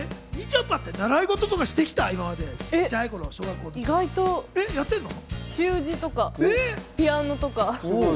みちょぱって、習い事とかって今意外と習字とかピアノとか。